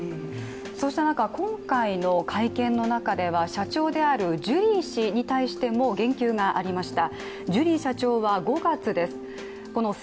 そうした中、今回の会見の中では社長であるジュリー氏に対しても言及がありました。